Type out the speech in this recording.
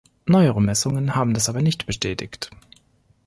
Neuere Messungen haben das aber nicht bestätigt.